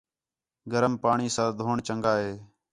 گرم پاݨی ساں ڈھوݨ چنڳا ہے